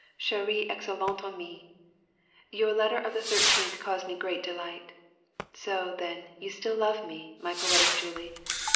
'* Chere et excellente amis: — Your letter of the thirteenth caused me great delight. So, then, you still love me, my poetic Julie.